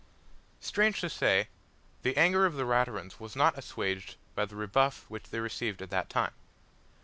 Strange to say, the anger of the Raturans was not assuaged by the rebuff which they received at that time.